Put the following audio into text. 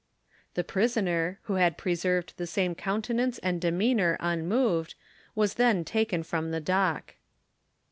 The prisoner, who had preserved the same coutenance and demeanour unmoved, was then taken from the dock.